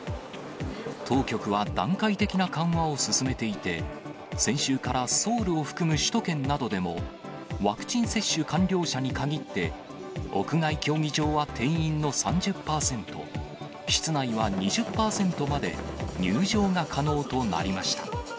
当局は段階的な緩和を進めていて、先週からソウルを含む首都圏などでも、ワクチン接種完了者に限って、屋外競技場は定員の３０％、室内は２０％まで入場が可能となりました。